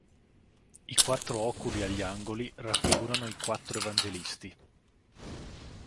I quattro oculi agli angoli raffigurano "i Quattro Evangelisti".